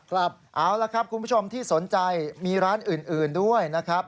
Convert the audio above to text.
ครับเอาละครับคุณผู้ชมที่สนใจมีร้านอื่นด้วยนะครับ